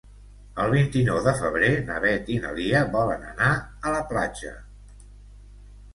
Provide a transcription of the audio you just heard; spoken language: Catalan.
El vint-i-nou de febrer na Beth i na Lia volen anar a la platja.